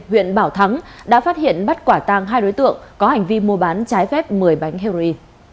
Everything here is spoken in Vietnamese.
huyện bảo thắng đã phát hiện bắt quả tàng hai đối tượng có hành vi mua bán trái phép một mươi bánh heroin